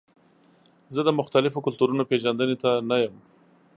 زه د مختلفو کلتورونو پیژندنې ته نه یم.